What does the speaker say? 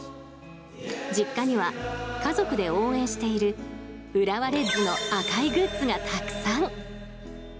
実家には、家族で応援している浦和レッズの赤いグッズがたくさん。